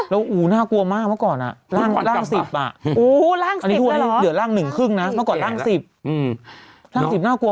แล้วกลับบ้านอะไรอย่างนี้นึกออกหรือเปล่า